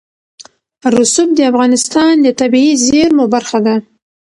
رسوب د افغانستان د طبیعي زیرمو برخه ده.